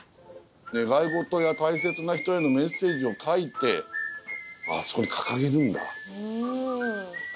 願い事や大切な人へのメッセージを書いてあそこに掲げるんだ。